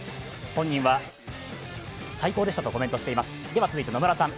本人は最高でしたとコメントしています。